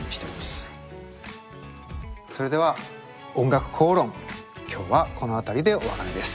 それでは「おんがくこうろん」今日はこの辺りでお別れです。